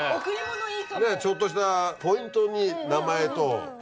ちょっとしたポイントに名前と何か入れてね。